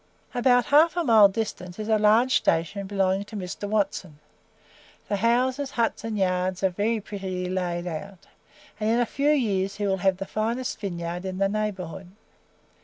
About half a mile distant is a large station belonging to Mr. Watson; the houses, huts and yards are very prettily laid out, and, in a few years he will have the finest vineyard in the neighbourhood.